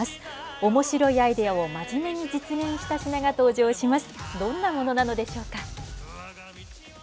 おもしろいアイデアを真面目に実現した品が登場します。